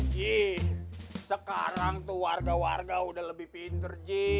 jih sekarang tuh warga warga udah lebih pinter ji